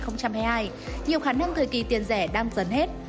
nhiều khả năng thời kỳ tiền rẻ đang dấn hết